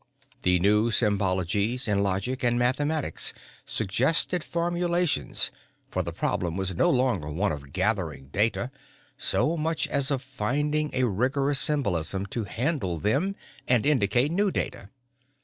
"The new symbologies in logic and mathematics suggested formulations for the problem was no longer one of gathering data so much as of finding a rigorous symbolism to handle them and indicate new data.